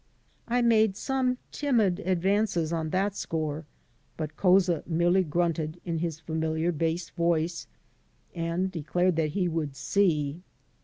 I made some timid advances on that score, but Couza merely grunted in his familiar bass voice and declared that he would see.